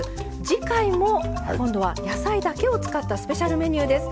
次回も今度は野菜だけを使ったスペシャルメニューです。